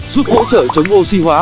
giúp hỗ trợ chống oxy hóa